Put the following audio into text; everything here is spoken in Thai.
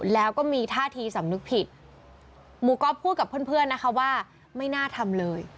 แล้วก็มีท่าทีสำนึกผิดหมู่ก๊อฟพูดกับเพื่อนเพื่อนนะคะว่าไม่น่าทำเลย